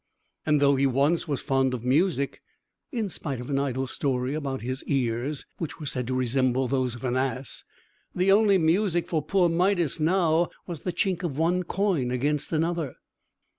And though he once was fond of music (in spite of an idle story about his ears, which were said to resemble those of an ass), the only music for poor Midas, now, was the chink of one coin against another.